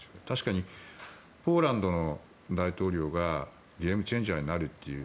確かにポーランドの大統領がゲームチェンジャーになると。